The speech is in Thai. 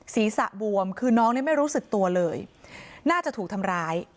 ศีรษะบวมคือน้องเนี่ยไม่รู้สึกตัวเลยน่าจะถูกทำร้าย